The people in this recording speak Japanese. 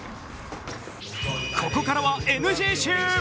ここからはＮＧ集。